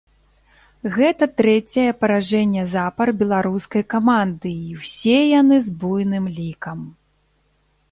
Гэта трэцяе паражэнне запар беларускай каманды і ўсе яны з буйным лікам.